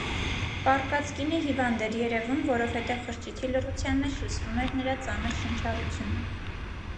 Պառկած կինը հիվանդ էր երևում, որովհետև խրճիթի լռության մեջ լսվում էր նրա ծանր շնչառությունը: